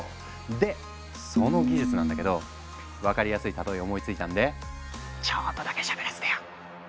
でその技術なんだけど分かりやすい例え思いついたんでちょっとだけしゃべらせてよ。